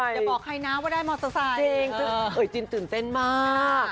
อย่าบอกใครนะว่าได้จริงเอ๋ยจินตื่นเต้นมาก